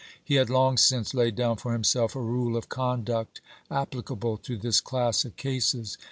He had long since laid down for himself a rule of conduct applicable to this class of cases.